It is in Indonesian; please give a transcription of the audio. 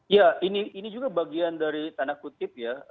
ya ini juga bagian dari tanda kutip ya